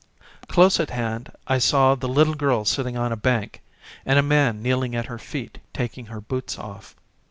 Close at hand I saw the little girl sitting on a bank, and a man kneeling at her feet taking her boots off.